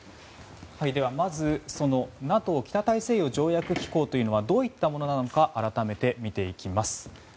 まずＮＡＴＯ・北大西洋条約機構というのはどういったものなのか改めて見ていきます。